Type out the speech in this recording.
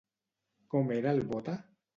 Com era el Bóta?